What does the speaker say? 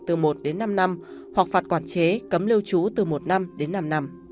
từ năm năm hoặc phạt quản chế cấm lưu trú từ một năm đến năm năm